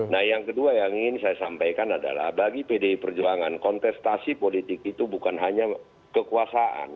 nah yang kedua yang ingin saya sampaikan adalah bagi pdi perjuangan kontestasi politik itu bukan hanya kekuasaan